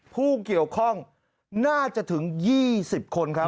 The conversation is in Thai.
ผู้เกี่ยวข้องน่าจะถึง๒๐คนครับ